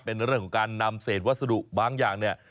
เป็นเรื่องของการนำเศษวัสดุบางอย่างเนี่ย